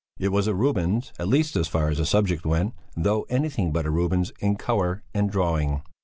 It was a Rubens, at least as far as the subject went, though anything but a Rubens in colour and drawing.